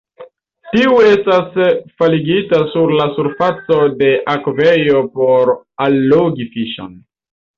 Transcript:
Tiu estas faligita sur la surfaco de akvejo por allogi fiŝon.